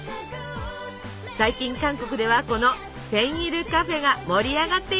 最近韓国ではこの「センイルカフェ」が盛り上がっています。